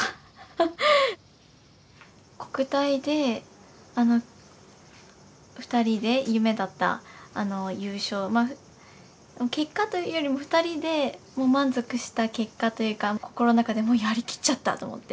国体で二人で夢だった優勝結果というよりも二人で満足した結果というか心の中でもうやりきっちゃったと思って。